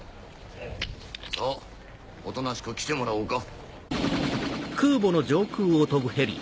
さぁおとなしく来てもらおうか。